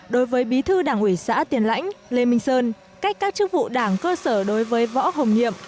đối với bí thư đảng ủy xã tiền lãnh lê minh sơn cách các chức vụ đảng cơ sở đối với võ hồng nhiệm